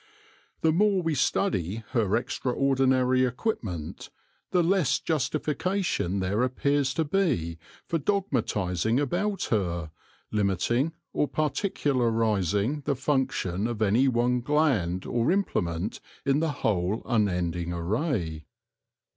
The more we study her extraordinary equipment, the less justification there appears to be for dogmatising about her, limiting or particularising the function of any one gland or implement in the whole unending array.